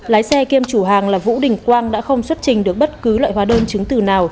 lái xe kiêm chủ hàng là vũ đình quang đã không xuất trình được bất cứ loại hóa đơn chứng từ nào